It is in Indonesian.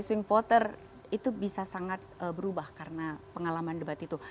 swing voter itu bisa sangat berubah karena pengalaman debat itu